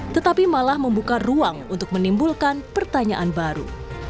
tetapi malah membuka ruang untuk menimbulkan pertanyaan baru